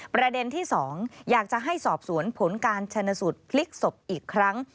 ประเด็นที่๒อยากจะให้สอบสวนผลการชนสูตรพลิกศพอีกครั้ง